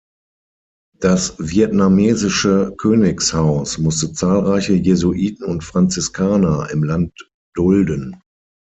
Das vietnamesische Königshaus musste zahlreiche Jesuiten und Franziskaner im Land dulden.